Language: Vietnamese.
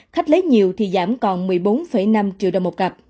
khách lấy nhiều thì giảm còn một mươi bốn năm triệu đồng một cặp